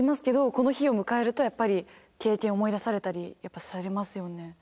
けどこの日を迎えるとやっぱり経験を思い出されたりされますよね？